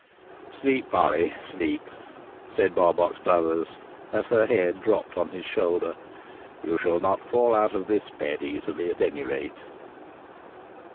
"Sleep, Polly, sleep," said Barbox Brothers, as her head dropped on his shoulder; "you shall not fall out of this bed, easily, at any rate!"